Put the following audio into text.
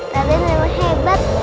kalian memang hebat